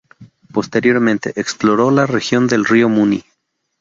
Posteriormente, exploró la región del Río Muni.